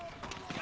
あ？